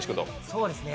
そうですね